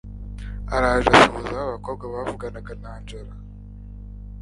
araje asuhuza babakobwa bavuganaga na angella